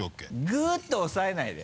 グッと押さえないで。